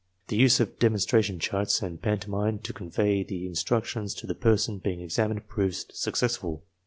The use of demonstration charts and pantomime to convey the instructions to the persons being examined proved successful.